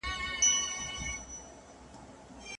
که شاګرد او استاد همغږي وي څېړنه به بریالۍ وي.